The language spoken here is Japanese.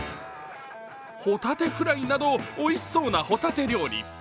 ホタテフライなどおいしそうなホタテ料理。